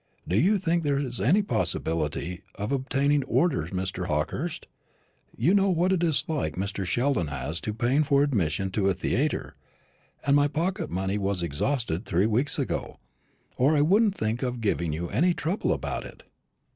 "Do you think there is any possibility of obtaining orders, Mr. Hawkehurst? You know what a dislike Mr. Sheldon has to paying for admission to a theatre, and my pocket money was exhausted three weeks ago, or I wouldn't think of giving you any trouble about it."